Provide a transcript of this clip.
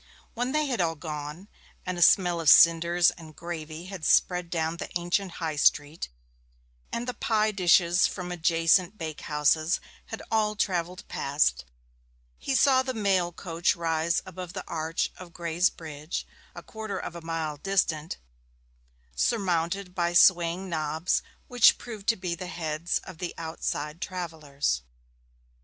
When they had all gone, and a smell of cinders and gravy had spread down the ancient high street, and the pie dishes from adjacent bakehouses had all travelled past, he saw the mail coach rise above the arch of Grey's Bridge, a quarter of a mile distant, surmounted by swaying knobs, which proved to be the heads of the outside travellers.